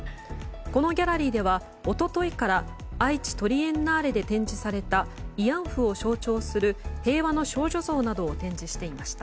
このギャラリーでは一昨日からあいちトリエンナーレで展示された慰安婦を象徴する「平和の少女像」などを展示していました。